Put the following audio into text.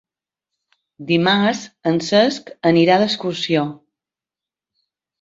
Dimarts en Cesc anirà d'excursió.